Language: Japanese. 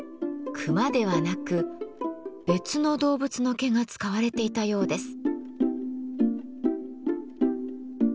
熊ではなく別の動物の毛が使われていたようです。